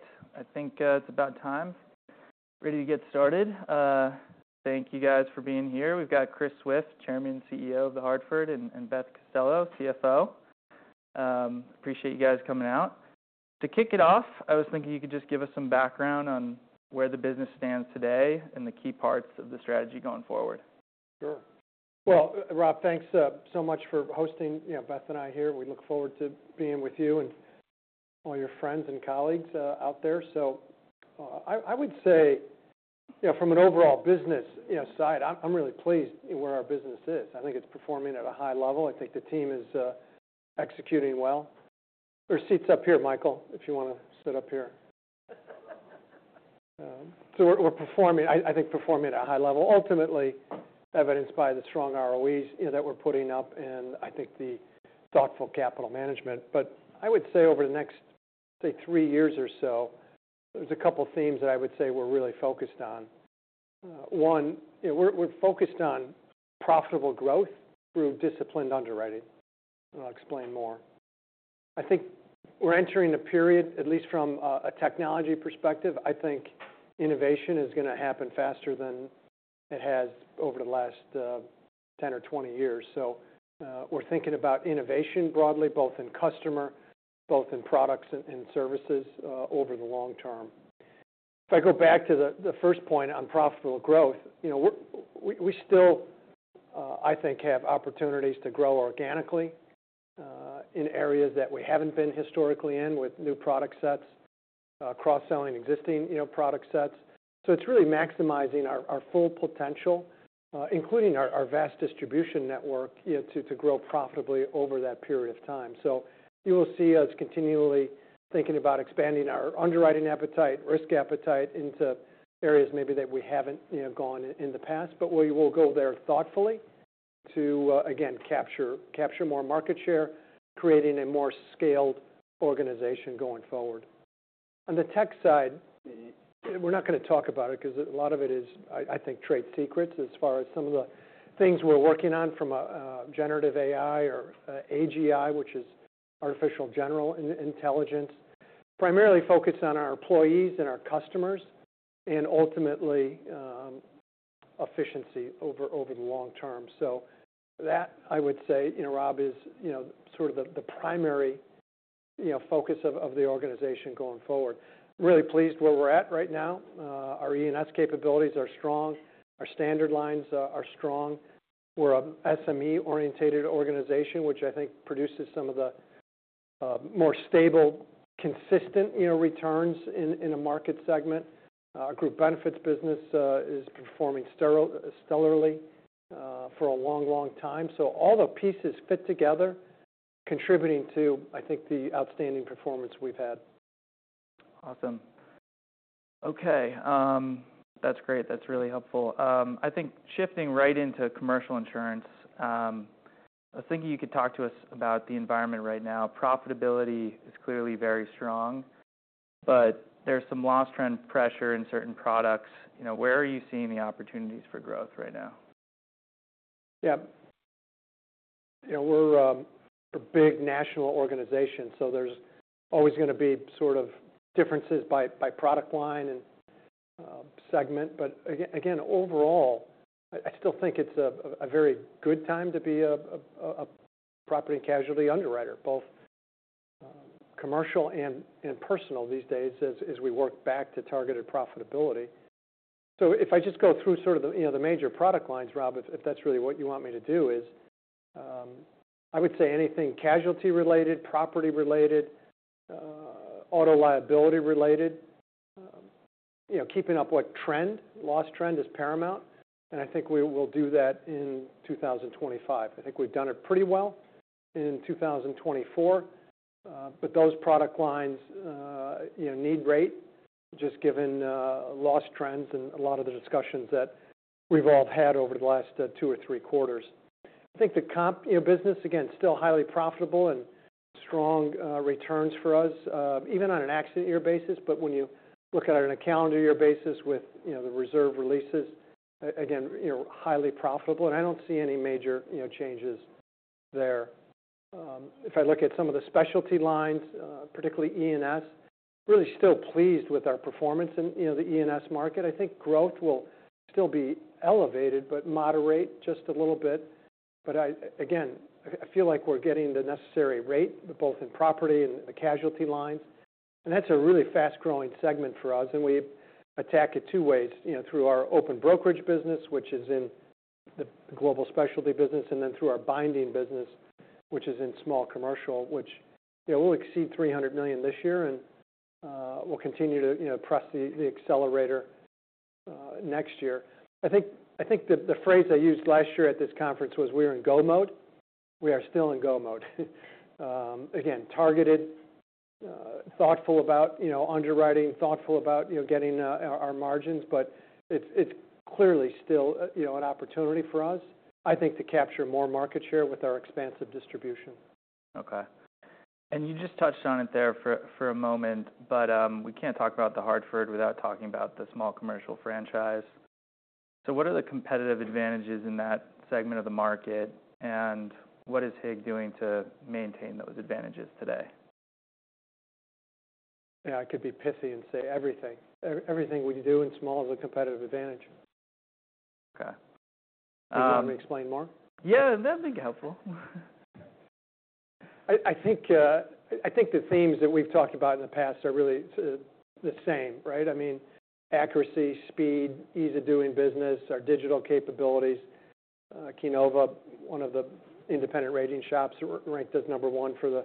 All right. I think it's about time. Ready to get started. Thank you guys for being here. We've got Chris Swift, Chairman and CEO of The Hartford, and Beth Costello, CFO. Appreciate you guys coming out. To kick it off, I was thinking you could just give us some background on where the business stands today and the key parts of the strategy going forward. Sure. Well, Rob, thanks so much for hosting, you know, Beth and I here. We look forward to being with you and all your friends and colleagues out there. I would say, you know, from an overall business, you know, side, I'm really pleased where our business is. I think it's performing at a high level. I think the team is executing well. There's seats up here, Michael, if you wanna sit up here. We're performing. I think performing at a high level, ultimately evidenced by the strong ROEs, you know, that we're putting up and I think the thoughtful capital management. But I would say over the next, say, three years or so, there's a couple of themes that I would say we're really focused on. One, you know, we're focused on profitable growth through disciplined underwriting. I'll explain more. I think we're entering a period, at least from a technology perspective. I think innovation is gonna happen faster than it has over the last 10 or 20 years, so we're thinking about innovation broadly, both in customer, both in products and services, over the long term. If I go back to the first point on profitable growth, you know, we're still, I think have opportunities to grow organically, in areas that we haven't been historically in with new product sets, cross-selling existing, you know, product sets, so it's really maximizing our full potential, including our vast distribution network, you know, to grow profitably over that period of time, so you will see us continually thinking about expanding our underwriting appetite, risk appetite into areas maybe that we haven't, you know, gone in the past. But we will go there thoughtfully to, again, capture more market share, creating a more scaled organization going forward. On the tech side, we're not gonna talk about it 'cause a lot of it is, I think, trade secrets as far as some of the things we're working on from a generative AI or AGI, which is artificial general intelligence, primarily focused on our employees and our customers and ultimately efficiency over the long term. So that, I would say, you know, Rob, is, you know, sort of the primary, you know, focus of the organization going forward. Really pleased where we're at right now. Our E&S capabilities are strong. Our standard lines are strong. We're a SME-orientated organization, which I think produces some of the more stable, consistent, you know, returns in a market segment. Our group benefits business is performing stellarly for a long, long time. So all the pieces fit together, contributing to, I think, the outstanding performance we've had. Awesome. Okay. That's great. That's really helpful. I think shifting right into commercial insurance, I was thinking you could talk to us about the environment right now. Profitability is clearly very strong, but there's some loss trend pressure in certain products. You know, where are you seeing the opportunities for growth right now? Yeah. You know, we're a big national organization, so there's always gonna be sort of differences by product line and segment. But again, overall, I still think it's a very good time to be a property and casualty underwriter, both commercial and personal these days as we work back to targeted profitability. So if I just go through sort of the major product lines, Rob, if that's really what you want me to do, I would say anything casualty-related, property-related, auto liability-related, you know, keeping up with loss trend is paramount. And I think we will do that in 2025. I think we've done it pretty well in 2024. But those product lines, you know, need rate just given loss trends and a lot of the discussions that we've all had over the last two or three quarters. I think the comp, you know, business, again, still highly profitable and strong returns for us, even on an accident year basis. But when you look at it on a calendar year basis with, you know, the reserve releases, again, you know, highly profitable. And I don't see any major, you know, changes there. If I look at some of the specialty lines, particularly E&S, really still pleased with our performance in, you know, the E&S market. I think growth will still be elevated but moderate just a little bit. But I again feel like we're getting the necessary rate both in property and the casualty lines. And that's a really fast-growing segment for us. And we attack it two ways, you know, through our open brokerage business, which is in the global specialty business, and then through our binding business, which is in small commercial, which, you know, we'll exceed $300 million this year. We'll continue to, you know, press the accelerator next year. I think the phrase I used last year at this conference was, we're in go mode. We are still in go mode. Again, targeted, thoughtful about, you know, underwriting, thoughtful about, you know, getting our margins. But it's clearly still, you know, an opportunity for us, I think, to capture more market share with our expansive distribution. Okay. And you just touched on it there for a moment, but we can't talk about The Hartford without talking about the small commercial franchise. So what are the competitive advantages in that segment of the market, and what is HIG doing to maintain those advantages today? Yeah. I could be pithy and say everything. Everything we do in small is a competitive advantage. Okay. Do you want me to explain more? Yeah. That'd be helpful. I think the themes that we've talked about in the past are really the same, right? I mean, accuracy, speed, ease of doing business, our digital capabilities. Keynova, one of the independent rating shops, ranked as number one for the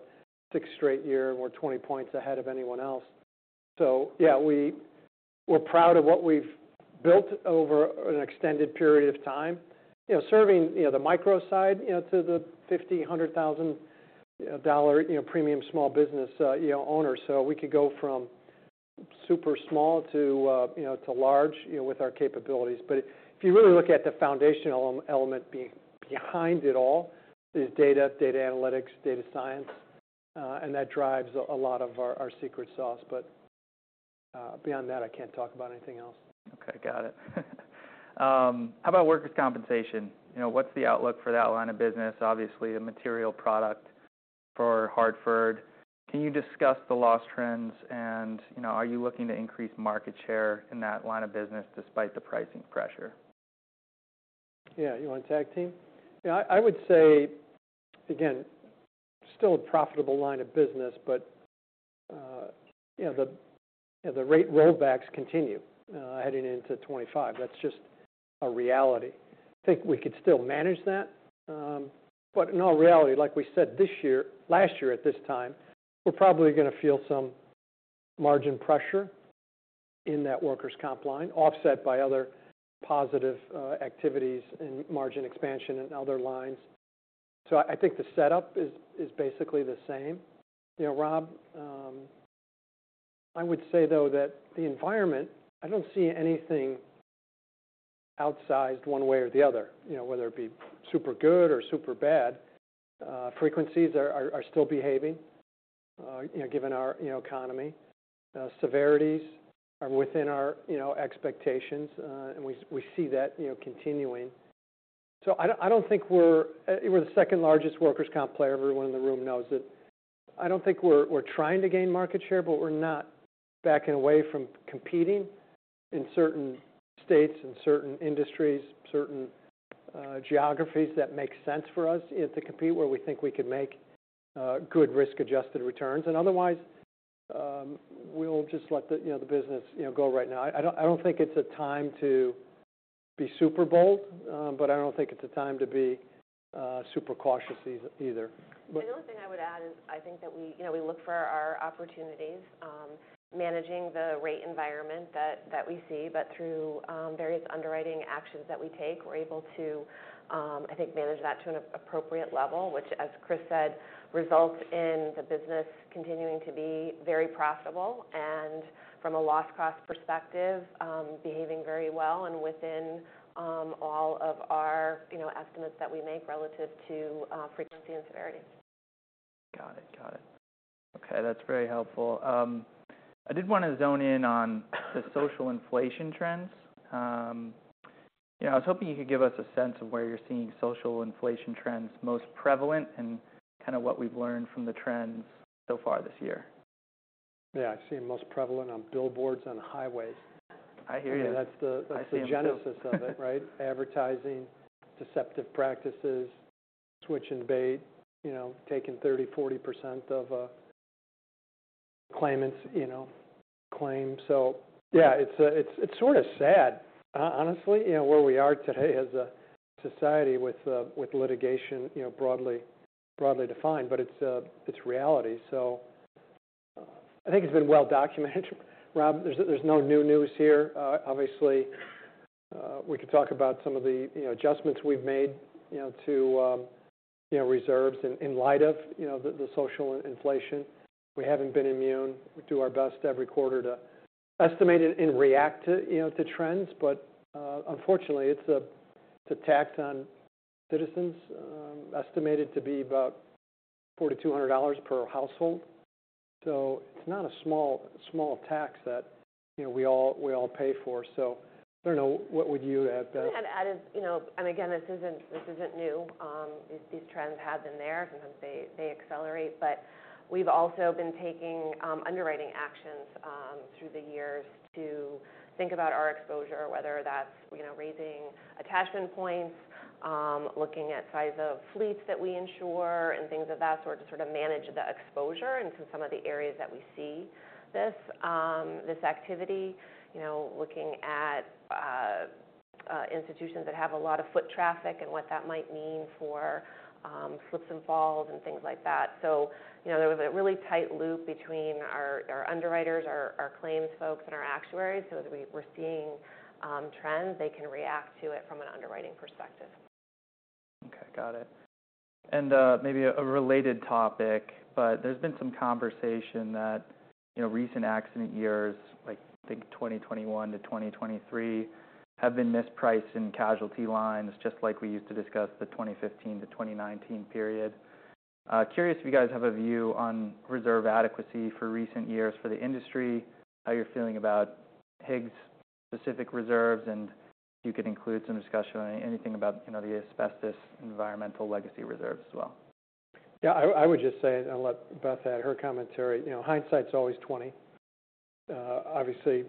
sixth straight year, and we're 20 points ahead of anyone else. So yeah, we're proud of what we've built over an extended period of time, you know, serving, you know, the micro side, you know, to the 50, 100 thousand, you know, dollar, you know, premium small business, you know, owners. So we could go from super small to, you know, to large, you know, with our capabilities. But if you really look at the foundational element behind it all is data, data analytics, data science, and that drives a lot of our secret sauce. But, beyond that, I can't talk about anything else. Okay. Got it. How about workers' compensation? You know, what's the outlook for that line of business? Obviously, a material product for Hartford. Can you discuss the loss trends and, you know, are you looking to increase market share in that line of business despite the pricing pressure? Yeah. You want to tag team? Yeah. I would say, again, still a profitable line of business, but, you know, the rate rollbacks continue, heading into 2025. That's just a reality. I think we could still manage that. But in all reality, like we said this year, last year at this time, we're probably gonna feel some margin pressure in that workers' comp line offset by other positive activities and margin expansion and other lines. So I think the setup is basically the same. You know, Rob, I would say, though, that the environment, I don't see anything outsized one way or the other, you know, whether it be super good or super bad. Frequencies are still behaving, you know, given our economy. Severities are within our expectations. And we see that, you know, continuing. So I don't think we're the second largest workers' comp player. Everyone in the room knows it. I don't think we're trying to gain market share, but we're not backing away from competing in certain states, in certain industries, certain geographies that make sense for us, you know, to compete where we think we could make good risk-adjusted returns. And otherwise, we'll just let the, you know, the business, you know, go right now. I don't think it's a time to be super bold, but I don't think it's a time to be super cautious either. The only thing I would add is I think that we, you know, look for our opportunities, managing the rate environment that we see. But through various underwriting actions that we take, we're able to, I think, manage that to an appropriate level, which, as Chris said, results in the business continuing to be very profitable and, from a loss-cost perspective, behaving very well and within all of our, you know, estimates that we make relative to frequency and severity. Got it. Got it. Okay. That's very helpful. I did wanna zone in on the social inflation trends, you know, I was hoping you could give us a sense of where you're seeing social inflation trends most prevalent and kinda what we've learned from the trends so far this year. Yeah. I see them most prevalent on billboards on highways. I hear you. You know, that's the genesis of it, right? Advertising, deceptive practices, switching bait, you know, taking 30%, 40% of claimants, you know, claims. So yeah, it's sorta sad, honestly, you know, where we are today as a society with litigation, you know, broadly defined. But it's reality. So, I think it's been well documented, Rob. There's no new news here. Obviously, we could talk about some of the, you know, adjustments we've made, you know, to reserves in light of the social inflation. We haven't been immune. We do our best every quarter to estimate it and react to, you know, trends. But, unfortunately, it's a tax on citizens, estimated to be about $4,200 per household. So it's not a small, small tax that, you know, we all, we all pay for. So I don't know. What would you have? I think I'd add is, you know, and again, this isn't new. These trends have been there. Sometimes they accelerate. But we've also been taking underwriting actions through the years to think about our exposure, whether that's, you know, raising attachment points, looking at size of fleets that we insure, and things of that sort to sorta manage the exposure into some of the areas that we see this activity, you know, looking at institutions that have a lot of foot traffic and what that might mean for slips and falls and things like that. So, you know, there was a really tight loop between our underwriters, our claims folks, and our actuaries. So as we're seeing trends, they can react to it from an underwriting perspective. Okay. Got it. And, maybe a related topic, but there's been some conversation that, you know, recent accident years, like, I think 2021 to 2023, have been mispriced in casualty lines, just like we used to discuss the 2015 to 2019 period. Curious if you guys have a view on reserve adequacy for recent years for the industry, how you're feeling about HIG's specific reserves, and if you could include some discussion on anything about, you know, the asbestos and environmental legacy reserves as well. Yeah. I would just say, and I'll let Beth add her commentary. You know, hindsight's always 20/20. Obviously,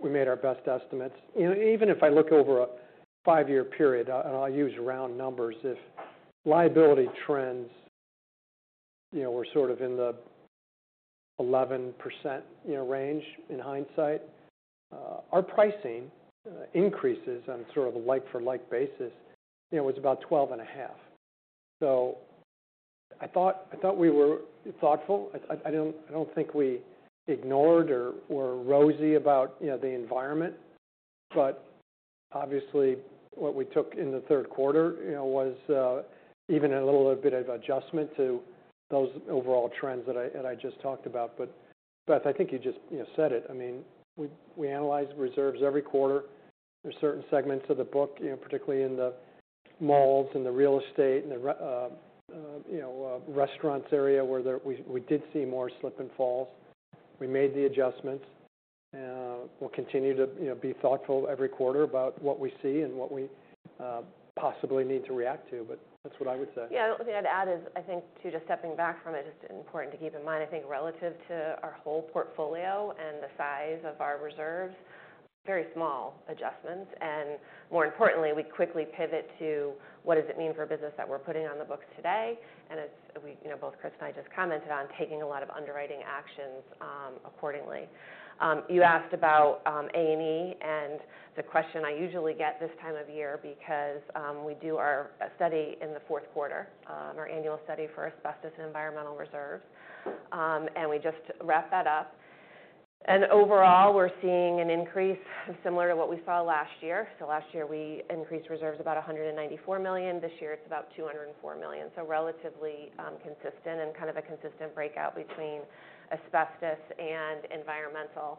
we made our best estimates. You know, even if I look over a 5 year period, and I'll use round numbers, if liability trends, you know, were sorta in the 11% range in hindsight, our pricing increases on sorta the like-for-like basis, you know, was about 12.5%. So I thought we were thoughtful. I don't think we ignored or were rosy about, you know, the environment. But obviously, what we took in the third quarter, you know, was even a little bit of adjustment to those overall trends that I just talked about. But Beth, I think you just, you know, said it. I mean, we analyze reserves every quarter. There's certain segments of the book, you know, particularly in the malls and the real estate and the restaurants area where we did see more slip and falls. We made the adjustments. We'll continue to, you know, be thoughtful every quarter about what we see and what we possibly need to react to. But that's what I would say. Yeah. The only thing I'd add is, I think, to just stepping back from it, just important to keep in mind, I think relative to our whole portfolio and the size of our reserves, very small adjustments, and more importantly, we quickly pivot to what does it mean for a business that we're putting on the books today, and it's, we, you know, both Chris and I just commented on taking a lot of underwriting actions, accordingly. You asked about A&E, and it's a question I usually get this time of year because we do our study in the fourth quarter, our annual study for asbestos and environmental reserves, and we just wrap that up. And overall, we're seeing an increase similar to what we saw last year. So last year, we increased reserves about $194 million. This year, it's about $204 million. So, relatively consistent and kind of a consistent breakout between Asbestos and Environmental.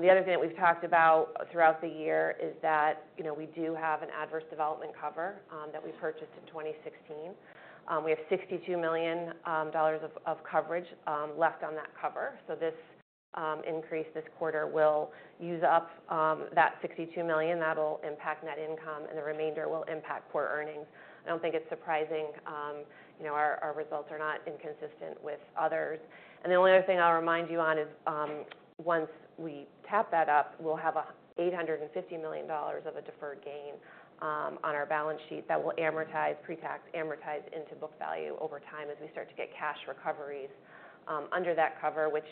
The other thing that we've talked about throughout the year is that, you know, we do have an adverse development cover that we purchased in 2016. We have $62 million of coverage left on that cover. So, this increase this quarter will use up that $62 million. That'll impact net income, and the remainder will impact core earnings. I don't think it's surprising, you know, our results are not inconsistent with others, and the only other thing I'll remind you on is, once we tap that up, we'll have a $850 million of a deferred gain on our balance sheet that will amortize pre-tax into book value over time as we start to get cash recoveries under that cover, which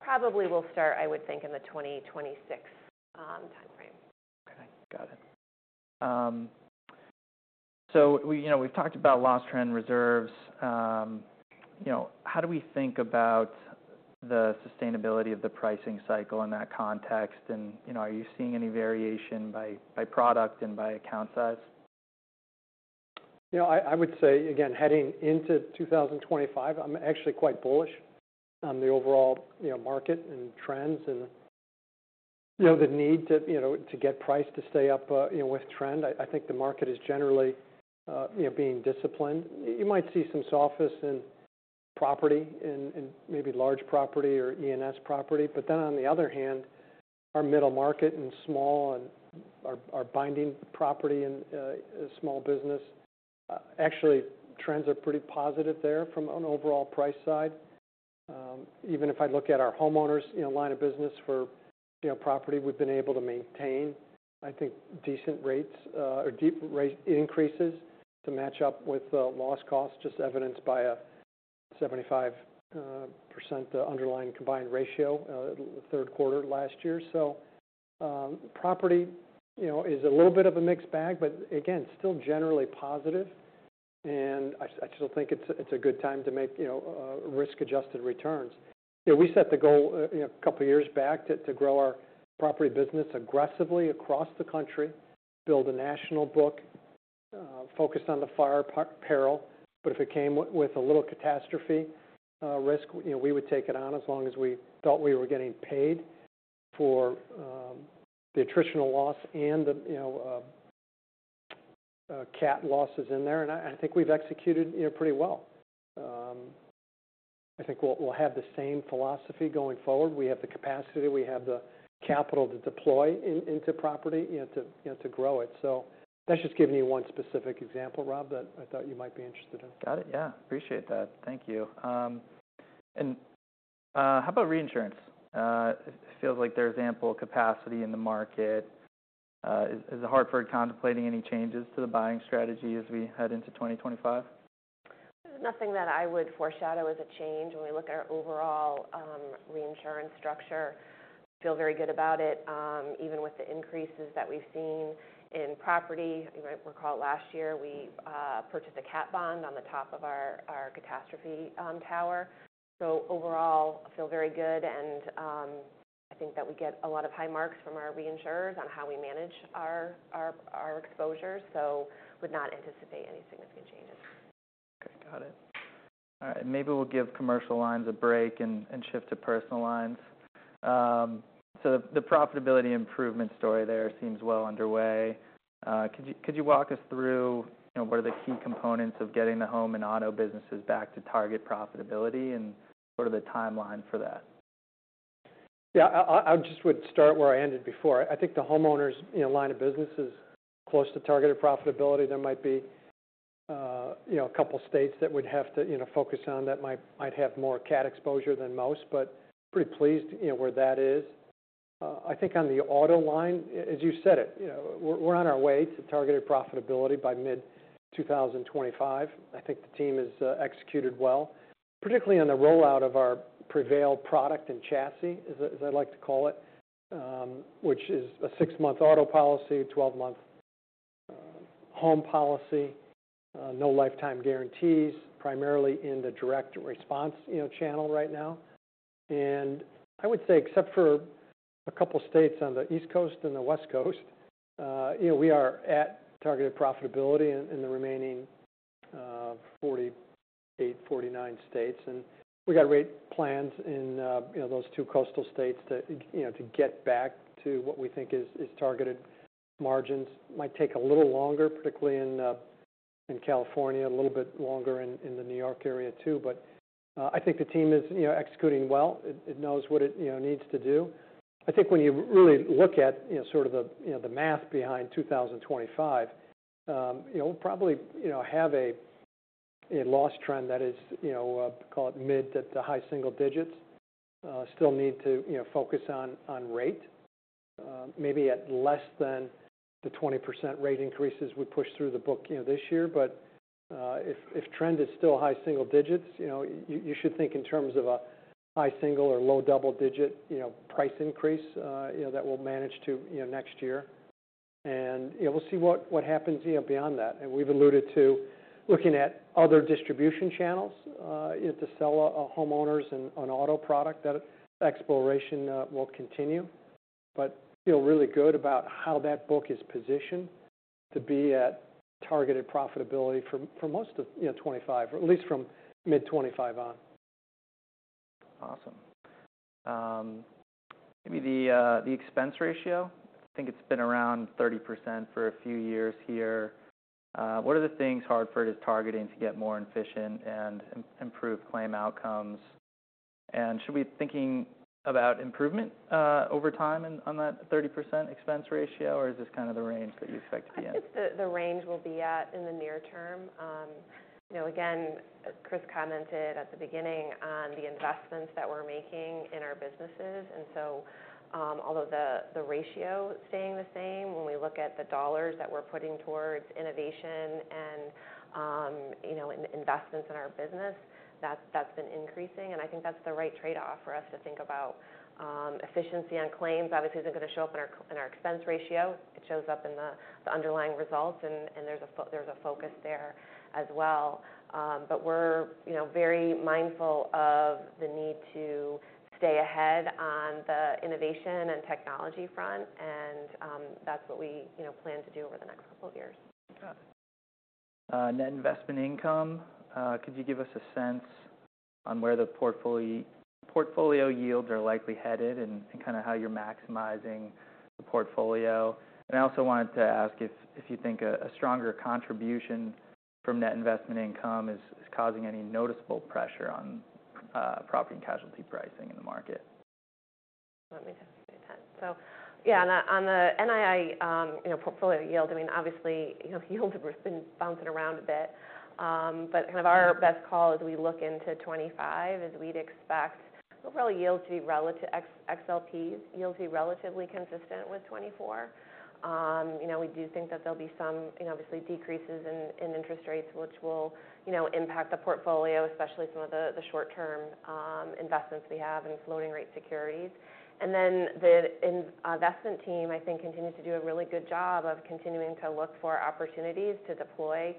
probably will start, I would think, in the 2026 timeframe. Okay. Got it, so we, you know, we've talked about loss trend reserves. You know, how do we think about the sustainability of the pricing cycle in that context? And you know, are you seeing any variation by product and by account size? You know, I would say, again, heading into 2025, I'm actually quite bullish on the overall, you know, market and trends and, you know, the need to, you know, to get price to stay up, you know, with trend. I think the market is generally, you know, being disciplined. You might see some softness in property and maybe large property or E&S property. But then on the other hand, our middle market and small and our binding property and small business, actually trends are pretty positive there from an overall price side. Even if I look at our homeowners, you know, line of business for, you know, property, we've been able to maintain, I think, decent rates, or deep rate increases to match up with loss costs, just evidenced by a 75% underlying combined ratio, third quarter last year. So, property, you know, is a little bit of a mixed bag, but again, still generally positive. And I still think it's a good time to make, you know, risk-adjusted returns. You know, we set the goal, you know, a couple of years back to grow our property business aggressively across the country, build a national book, focused on the fire peril. But if it came with a little Catastrophe risk, you know, we would take it on as long as we thought we were getting paid for the attritional loss and the, you know, CAT losses in there. And I think we've executed, you know, pretty well. I think we'll have the same philosophy going forward. We have the capacity. We have the capital to deploy into property, you know, to grow it. So that's just giving you one specific example, Rob, that I thought you might be interested in. Got it. Yeah. Appreciate that. Thank you and how about reinsurance? It feels like there's ample capacity in the market. Is The Hartford contemplating any changes to the buying strategy as we head into 2025? There's nothing that I would foreshadow as a change. When we look at our overall reinsurance structure, I feel very good about it, even with the increases that we've seen in property. You might recall last year we purchased a CAT bond on the top of our catastrophe tower. So overall, I feel very good, and I think that we get a lot of high marks from our reinsurers on how we manage our exposures, so would not anticipate any significant changes. Okay. Got it. All right. Maybe we'll give commercial lines a break and shift to personal lines, so the profitability improvement story there seems well underway. Could you walk us through, you know, what are the key components of getting the home and auto businesses back to target profitability and sorta the timeline for that? Yeah. I just would start where I ended before. I think the homeowners, you know, line of business is close to targeted profitability. There might be, you know, a couple of states that would have to, you know, focus on that might have more CAT exposure than most, but pretty pleased, you know, where that is. I think on the auto line, as you said it, you know, we're on our way to targeted profitability by mid-2025. I think the team has executed well, particularly on the rollout of our Prevail product and chassis, as I like to call it, which is a six-month auto policy, 12-month home policy, no lifetime guarantees, primarily in the direct response, you know, channel right now. And I would say, except for a couple of states on the East Coast and the West Coast, you know, we are at targeted profitability in the remaining 48, 49 states. And we got rate plans in, you know, those two coastal states to, you know, to get back to what we think is targeted margins. Might take a little longer, particularly in California, a little bit longer in the New York area too. But I think the team is, you know, executing well. It knows what it, you know, needs to do. I think when you really look at, you know, sorta the, you know, the math behind 2025, you know, we'll probably, you know, have a loss trend that is, you know, call it mid to high single digits. Still need to, you know, focus on rate, maybe at less than the 20% rate increases we push through the book, you know, this year. But if trend is still high single digits, you know, you should think in terms of a high single or low double digit, you know, price increase, you know, that we'll manage to, you know, next year. You know, we'll see what happens, you know, beyond that. We've alluded to looking at other distribution channels, you know, to sell our homeowners and auto product. That exploration will continue. But feel really good about how that book is positioned to be at targeted profitability for most of, you know, 2025, or at least from mid-2025 on. Awesome. Maybe the expense ratio. I think it's been around 30% for a few years here. What are the things Hartford is targeting to get more efficient and improve claim outcomes? And should we be thinking about improvement over time in on that 30% expense ratio, or is this kinda the range that you expect to be in? I think it's the range we'll be at in the near term. You know, again, Chris commented at the beginning on the investments that we're making in our businesses, and so, although the ratio staying the same, when we look at the dollars that we're putting towards innovation and, you know, investments in our business, that's been increasing, and I think that's the right trade-off for us to think about. Efficiency on claims, obviously, isn't gonna show up in our expense ratio. It shows up in the underlying results, and there's a focus there as well, but we're, you know, very mindful of the need to stay ahead on the innovation and technology front, and that's what we, you know, plan to do over the next couple of years. Got it. Net investment income, could you give us a sense on where the portfolio yields are likely headed and kinda how you're maximizing the portfolio? And I also wanted to ask if you think a stronger contribution from net investment income is causing any noticeable pressure on property and casualty pricing in the market? Let me just say that. So yeah, on the, on the NII, you know, portfolio yield, I mean, obviously, you know, yields have been bouncing around a bit. But kind of our best call as we look into 2025 is we'd expect overall yields to be relatively flat, yields to be relatively consistent with 2024. You know, we do think that there'll be some, you know, obviously, decreases in, in interest rates, which will, you know, impact the portfolio, especially some of the, the short-term, investments we have in floating-rate securities. And then the investment team, I think, continues to do a really good job of continuing to look for opportunities to deploy,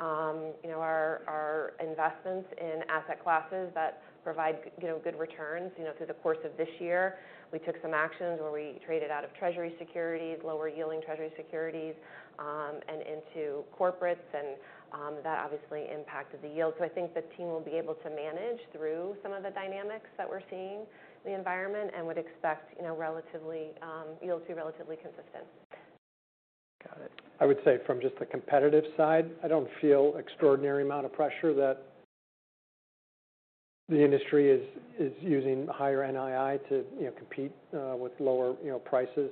you know, our, our investments in asset classes that provide, you know, good returns, you know, through the course of this year. We took some actions where we traded out of Treasury securities, lower-yielding Treasury securities, and into corporates. And, that obviously impacted the yield. So I think the team will be able to manage through some of the dynamics that we're seeing in the environment and would expect, you know, relatively, yields to be relatively consistent. Got it. I would say from just the competitive side, I don't feel extraordinary amount of pressure that the industry is using higher NII to, you know, compete with lower, you know, prices.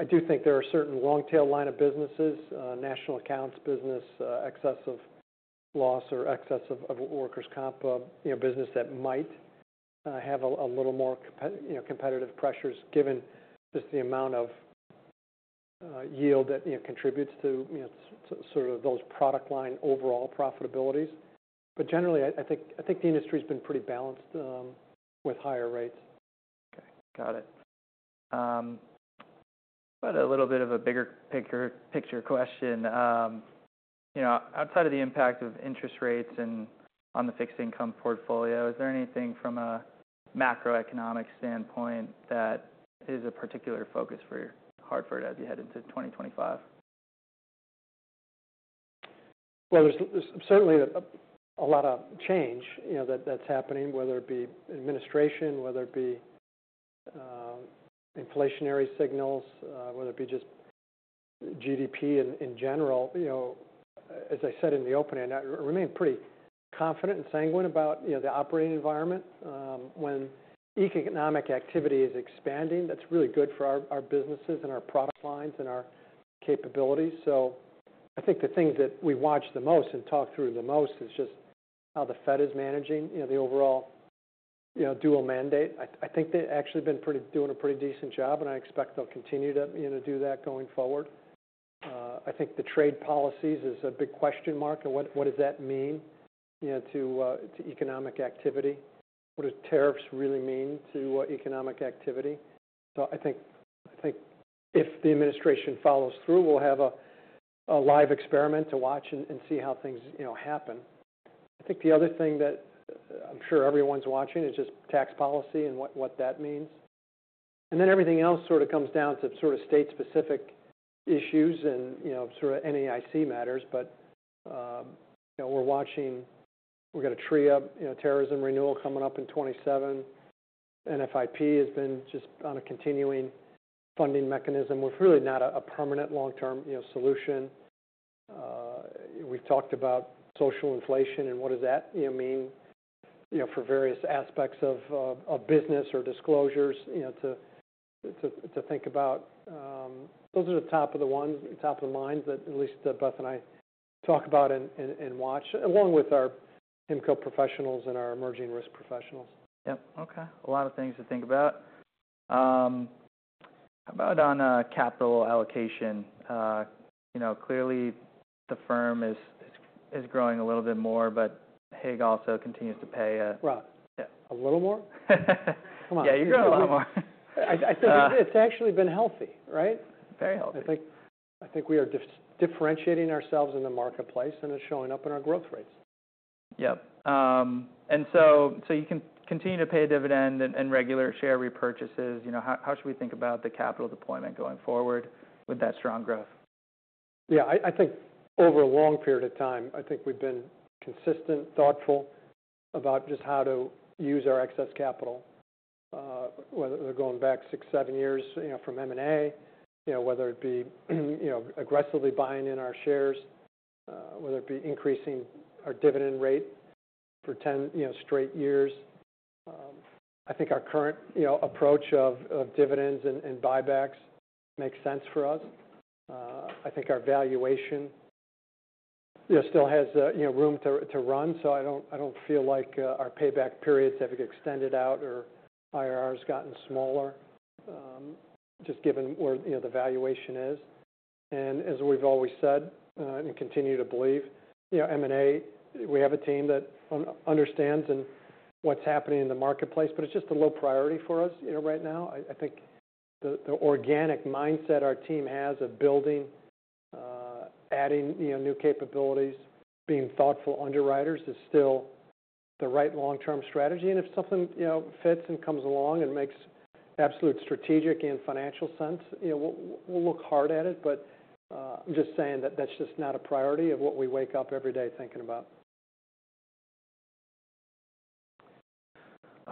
I do think there are certain long-tail line of businesses, national accounts business, excess of loss or excess of workers' comp, you know, business that might have a little more competitive pressures given just the amount of yield that, you know, contributes to, you know, sorta those product line overall profitabilities. But generally, I think the industry's been pretty balanced with higher rates. Okay. Got it. But a little bit of a bigger picture question. You know, outside of the impact of interest rates and on the fixed-income portfolio, is there anything from a macroeconomic standpoint that is a particular focus for Hartford as you head into 2025? There's certainly a lot of change, you know, that's happening, whether it be administration, whether it be inflationary signals, whether it be just GDP in general, you know, as I said in the opening. I remain pretty confident and sanguine about, you know, the operating environment. When economic activity is expanding, that's really good for our businesses and our product lines and our capabilities. So I think the thing that we watch the most and talk through the most is just how the Fed is managing, you know, the overall, you know, dual mandate. I think they actually have been doing a pretty decent job, and I expect they'll continue to, you know, do that going forward. I think the trade policies is a big question mark. And what does that mean, you know, to economic activity? What does tariffs really mean to economic activity? I think if the administration follows through, we'll have a live experiment to watch and see how things, you know, happen. I think the other thing that I'm sure everyone's watching is just tax policy and what that means. Then everything else sorta comes down to sorta state-specific issues and, you know, sorta NAIC matters. But you know, we're watching. We've got a TRIA, terrorism renewal coming up in 2027. NFIP has been just on a continuing funding mechanism with really not a permanent long-term, you know, solution. We've talked about social inflation and what does that, you know, mean for various aspects of business or disclosures, you know, to think about. Those are the top of the minds that at least Beth and I talk about and watch, along with our HIMCO professionals and our emerging risk professionals. Yep. Okay. A lot of things to think about. How about on capital allocation? You know, clearly the firm is growing a little bit more, but HIG also continues to pay a. Right. Yeah. A little more. Come on. Yeah. You're growing a little more. I think it's actually been healthy, right? Very healthy. I think we are differentiating ourselves in the marketplace, and it's showing up in our growth rates. Yep. So you can continue to pay dividend and regular share repurchases. You know, how should we think about the capital deployment going forward with that strong growth? Yeah. I think over a long period of time, I think we've been consistent, thoughtful about just how to use our excess capital, whether they're going back six, seven years, you know, from M&A, you know, whether it be, you know, aggressively buying back our shares, whether it be increasing our dividend rate for 10, you know, straight years. I think our current, you know, approach of dividends and buybacks makes sense for us. I think our valuation, you know, still has, you know, room to run. So I don't feel like our payback periods have extended out or IRR has gotten smaller, just given where, you know, the valuation is. As we've always said, and continue to believe, you know, M&A, we have a team that understands and what's happening in the marketplace, but it's just a low priority for us, you know, right now. I think the organic mindset our team has of building, adding, you know, new capabilities, being thoughtful underwriters is still the right long-term strategy. If something, you know, fits and comes along and makes absolute strategic and financial sense, you know, we'll look hard at it. I'm just saying that that's just not a priority of what we wake up every day thinking about.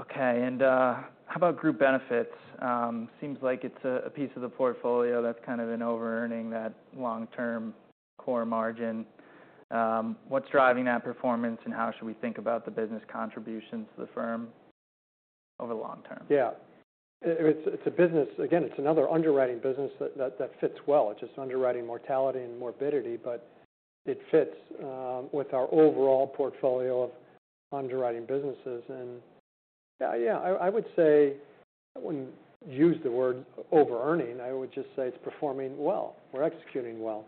Okay. And how about group benefits? Seems like it's a piece of the portfolio that's kind of been over-earning that long-term core margin. What's driving that performance, and how should we think about the business contributions to the firm over the long term? Yeah. It's a business again. It's another underwriting business that fits well. It's just underwriting mortality and morbidity, but it fits with our overall portfolio of underwriting businesses. Yeah, I would say I wouldn't use the word over-earning. I would just say it's performing well. We're executing well.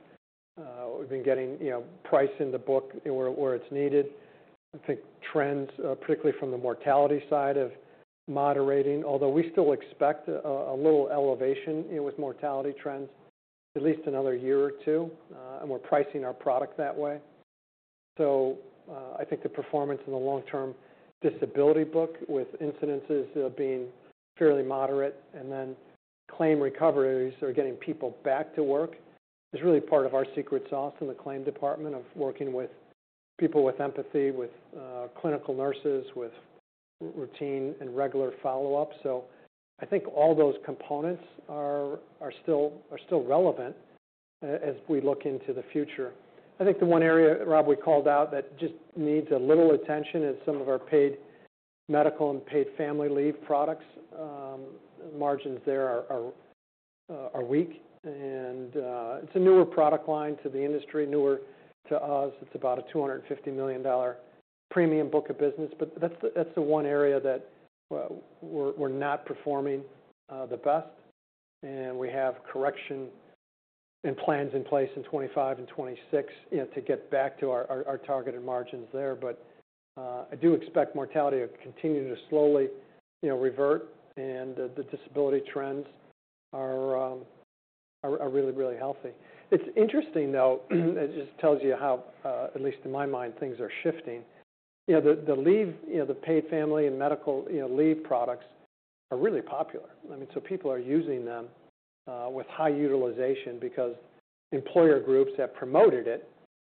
We've been getting, you know, price in the book where it's needed. I think trends, particularly from the mortality side, are moderating, although we still expect a little elevation, you know, with mortality trends, at least another year or two. We're pricing our product that way. I think the performance in the long-term disability book with incidences being fairly moderate, and then claim recoveries or getting people back to work is really part of our secret sauce in the claim department of working with people with empathy, with clinical nurses, with routine and regular follow-up. I think all those components are still relevant, as we look into the future. I think the one area, Rob, we called out that just needs a little attention is some of our paid medical and paid family leave products. The margins there are weak. And it's a newer product line to the industry, newer to us. It's about a $250 million premium book of business. But that's the one area that we're not performing the best. And we have correction and plans in place in 2025 and 2026, you know, to get back to our targeted margins there. But I do expect mortality to continue to slowly, you know, revert. And the disability trends are really healthy. It's interesting, though. It just tells you how, at least in my mind, things are shifting. You know, the leave, you know, the paid family and medical leave products are really popular. I mean, so people are using them with high utilization because employer groups have promoted it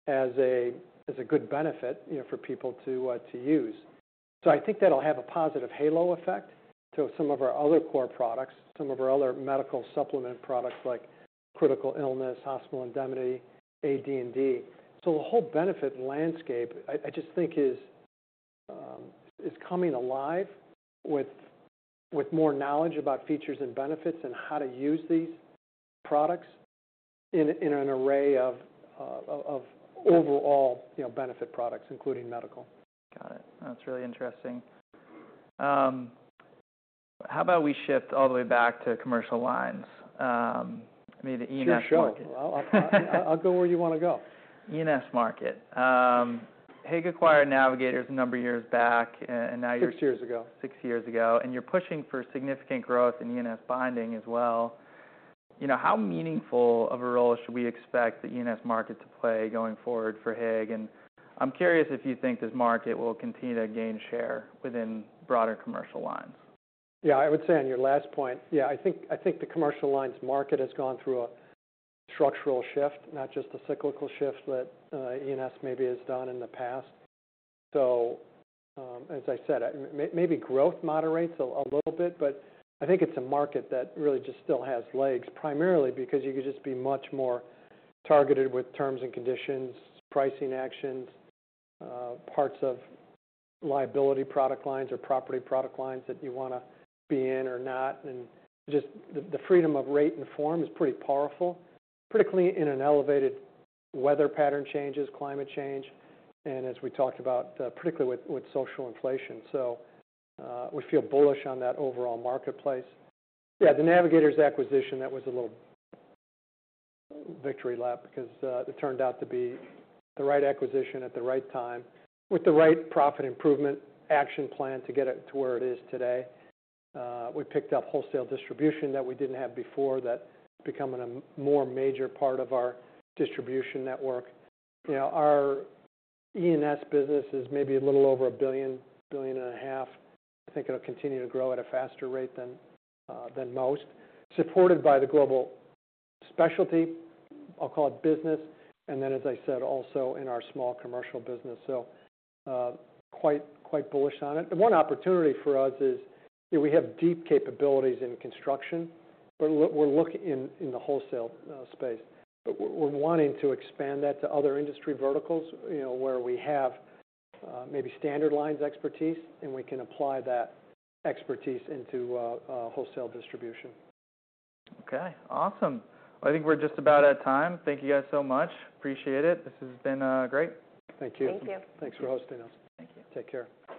as a good benefit, you know, for people to use. So I think that'll have a positive halo effect to some of our other core products, some of our other medical supplement products like critical illness, hospital indemnity, AD&D. So the whole benefit landscape, I just think is coming alive with more knowledge about features and benefits and how to use these products in an array of overall, you know, benefit products, including medical. Got it. That's really interesting. How about we shift all the way back to commercial lines? I mean, the E&S market. Sure, well, I'll go where you wanna go. E&S market. HIG acquired Navigators a number of years back, and now you're. Six years ago. Six years ago, and you're pushing for significant growth in E&S binding as well. You know, how meaningful of a role should we expect the E&S market to play going forward for HIG, and I'm curious if you think this market will continue to gain share within broader commercial lines. Yeah. I would say on your last point, yeah, I think the commercial lines market has gone through a structural shift, not just a cyclical shift that E&S maybe has done in the past. So, as I said, maybe growth moderates a little bit, but I think it's a market that really just still has legs primarily because you could just be much more targeted with terms and conditions, pricing actions, parts of liability product lines or property product lines that you wanna be in or not. And just the freedom of rate and form is pretty powerful, particularly in an elevated weather pattern changes, climate change, and as we talked about, particularly with social inflation. So, we feel bullish on that overall marketplace. Yeah. The Navigators acquisition, that was a little victory lap because it turned out to be the right acquisition at the right time with the right profit improvement action plan to get it to where it is today. We picked up wholesale distribution that we didn't have before that's becoming a more major part of our distribution network. You know, our E&S business is maybe a little over a billion, billion and a half. I think it'll continue to grow at a faster rate than than most, supported by the global specialty, I'll call it business, and then, as I said, also in our small commercial business. So, quite, quite bullish on it. The one opportunity for us is, you know, we have deep capabilities in construction, but we're looking in the wholesale space. But we're wanting to expand that to other industry verticals, you know, where we have maybe standard lines expertise, and we can apply that expertise into wholesale distribution. Okay. Awesome. Well, I think we're just about at time. Thank you guys so much. Appreciate it. This has been great. Thank you. Thank you. Thanks for hosting us. Thank you. Take care.